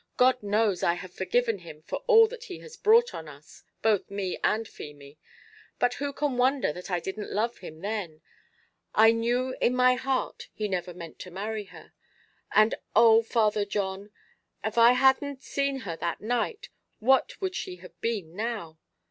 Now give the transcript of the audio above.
God knows I have forgiven him for all that he has brought on us both me and Feemy; but who can wonder that I didn't love him then? I knew in my heart he never meant to marry her. And oh! Father John, av I hadn't seen her that night, what would she have been now?